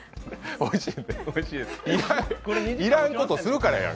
いらんことするからや。